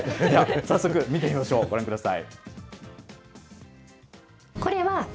早速、見てみましょう、ご覧ください。